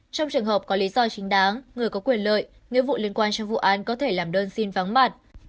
trong trường hợp có lý do chính đáng người có quyền lợi nghĩa vụ liên quan trong vụ án có thể làm đơn xin vắng mặt